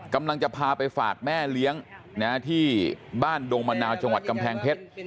กำลังจะพาไปฝากแม่เลี้ยงที่บ้านดงมะนาวจังหวัดกำแพงเพชร